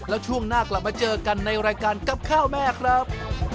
แล้วช่วงหน้ากลับมาเจอกันในรายการกับข้าวแม่ครับ